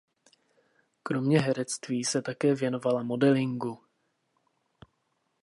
Kromě herectví se také věnovala modelingu.